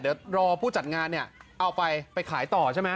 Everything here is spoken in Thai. เดี๋ยวรอผู้จัดงานเนี่ยเอาไปไปขายต่อใช่ไหม